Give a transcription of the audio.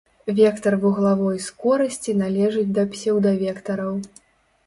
Вектар вуглавой скорасці належыць да псеўдавектараў.